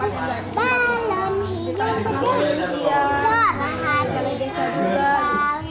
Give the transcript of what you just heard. jalan tempat tempat yang lebih cepat